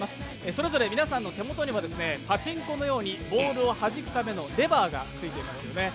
それぞれ皆さんの手元にはパチンコのようにボールをはじくためのレバーがついています。